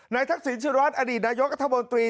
นายทักษิณชีวรัฐอดีตนายกทวนตรี